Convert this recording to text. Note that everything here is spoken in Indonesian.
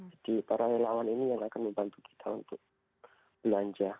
jadi para relawan ini yang akan membantu kita untuk belanja